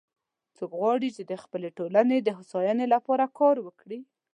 څوک غواړي چې د خپلې ټولنې د هوساینی لپاره کار وکړي